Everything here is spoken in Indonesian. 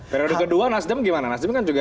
periode kedua nasdem gimana